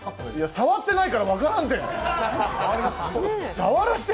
触ってないから分からんて。